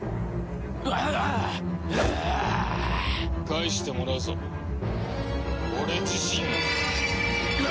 返してもらうぞ俺自身を！